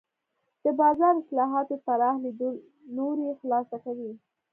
د بازار اصلاحاتو طراح لیدلوری خلاصه کوي.